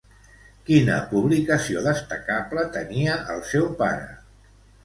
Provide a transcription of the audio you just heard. Quina publicació destacable tenia el seu pare?